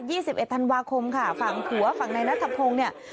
ยี่สิบเอ็ดธันวาคมค่ะฝั่งหัวฝั่งในนักธพงศ์เนี้ย